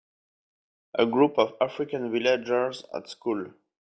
A group of African villagers at school.